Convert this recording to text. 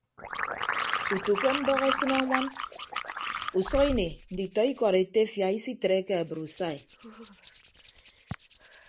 Utu ke mbọk esịne añwan usʌk ini nditọ ikọd etefia isitreke abrusai.